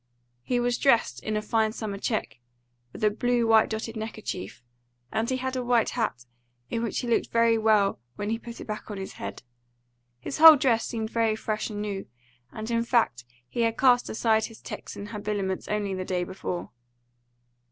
He was dressed in a fine summer check, with a blue white dotted neckerchief, and he had a white hat, in which he looked very well when he put it back on his head. His whole dress seemed very fresh and new, and in fact he had cast aside his Texan habiliments only the day before.